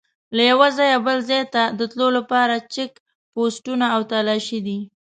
له یوه ځایه بل ځای ته د تلو لپاره چیک پوسټونه او تلاشي دي.